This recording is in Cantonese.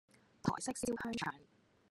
台式燒香腸